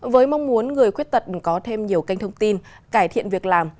với mong muốn người khuyết tật có thêm nhiều kênh thông tin cải thiện việc làm